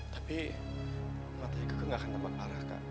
tapi mata iku kek gak akan tembak parah kak